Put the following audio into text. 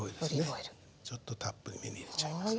ちょっとたっぷりめに入れちゃいます。